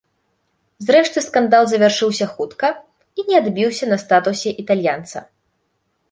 Зрэшты скандал завяршыўся хутка і не адбіўся на статусе італьянца.